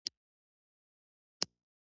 حج ته سفر څو ډوله دی.